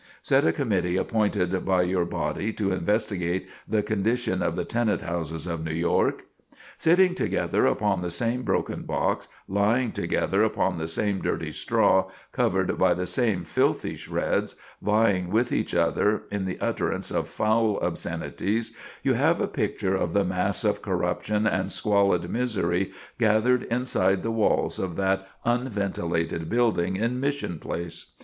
Said a committee appointed by your body to investigate the condition of the tenant houses of New York: "Sitting together upon the same broken box, lying together upon the same dirty straw, covered by the same filthy shreds, vieing with each other in the utterance of foul obscenities, you have a picture of the mass of corruption and squalid misery gathered inside the walls of that unventilated building in Mission Place.